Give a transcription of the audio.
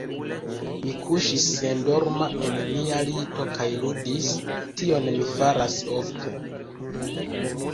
Mi kuŝis sendorma en mia lito kaj ludis; tion mi faras ofte.